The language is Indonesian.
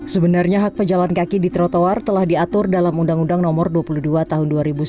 sebenarnya hak pejalan kaki di trotoar telah diatur dalam undang undang nomor dua puluh dua tahun dua ribu sembilan